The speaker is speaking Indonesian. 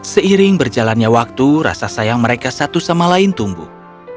seiring berjalannya waktu rasa sayang mereka satu sama lain tumbuh